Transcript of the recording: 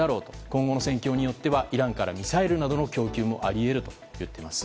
今後の戦況によってはイランからのミサイルの供給もあり得るといっています。